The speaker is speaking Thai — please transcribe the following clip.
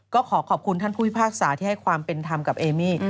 ก็ขอขอบคุณท่านผู้พิพากษาที่ให้ความเป็นธรรมกับเอมี่